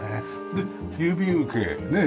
で郵便受けねえ